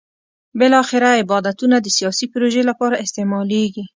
بالاخره عبادتونه د سیاسي پروژې لپاره استعمالېږي.